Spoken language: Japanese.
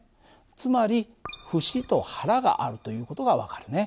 つまり節と腹があるという事が分かるね。